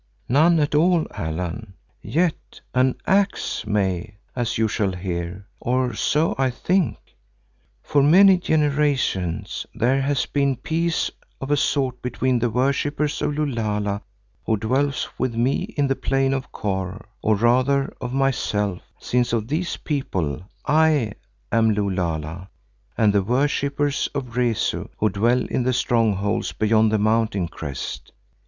"None at all, Allan, yet an axe may, as you shall hear, or so I think. For many generations there has been peace of a sort between the worshippers of Lulala who dwell with me in the Plain of Kôr, or rather of myself, since to these people I am Lulala, and the worshippers of Rezu, who dwell in the strongholds beyond the mountain crest.